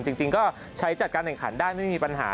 จริงก็ใช้จัดการแข่งขันได้ไม่มีปัญหา